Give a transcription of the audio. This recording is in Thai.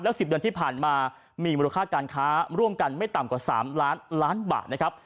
๑๐เดือนที่ผ่านมามีมูลค่าการค้าร่วมกันไม่ต่ำกว่า๓ล้านล้านบาทนะครับ